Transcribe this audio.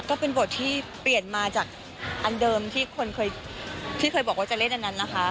ก็เป็นบทที่เปลี่ยนมาจากอันเดิมที่คนเคยที่เคยบอกว่าจะเล่นอันนั้นนะคะ